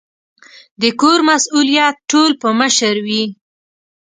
د کور مسؤلیت ټول په مشر وي